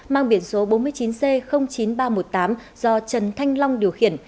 mang biển số bốn mươi chín c chín nghìn ba trăm một mươi tám do trần thanh long điều khiển